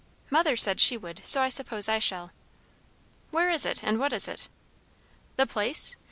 "Mother said she would. So I suppose I shall." "Where is it? and what is it?" "The place?